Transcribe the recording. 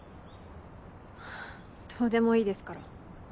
どうでもいいですから。